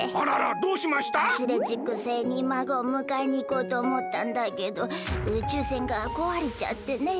アスレチック星にまごをむかえにいこうとおもったんだけど宇宙船がこわれちゃってねえ。